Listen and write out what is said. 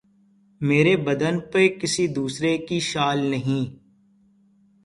مرے بدن پہ کسی دوسرے کی شال نہیں